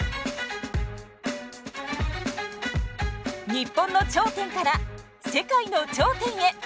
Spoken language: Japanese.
日本の頂点から世界の頂点へ。